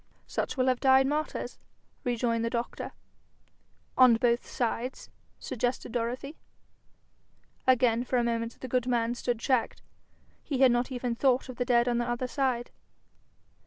'Such will have died martyrs,' rejoined the doctor. 'On both sides?' suggested Dorothy. Again for a moment the good man stood checked. He had not even thought of the dead on the other side.